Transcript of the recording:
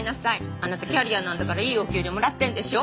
あなたキャリアなんだからいいお給料もらってるんでしょ？